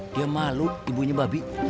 dia malu ibunya babi